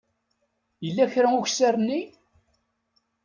Yella kra ukessar-nni?